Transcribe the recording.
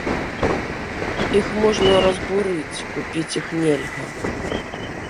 Іх можна разбурыць, купіць іх нельга.